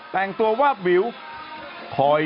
เห็นไหมล่ะ